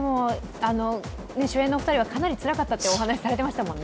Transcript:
主演の２人はかなりつらかったとお話しされてましたよね。